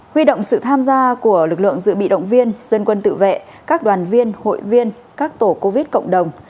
huy động sự tham gia của lực lượng dự bị động viên dân quân tự vệ các đoàn viên hội viên các tổ covid cộng đồng